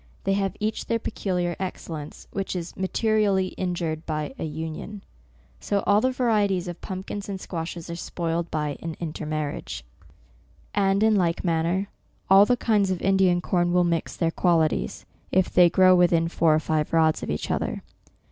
They have each their pecu liar excellence, which is materially injured by an union. So all the varieties of pumpkins and squashes are spoiled by an intermar riage. And in like manner, all the kinds of Indian corn will mix their qualities, if they grow within four or five rods of each other.